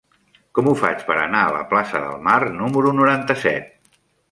Com ho faig per anar a la plaça del Mar número noranta-set?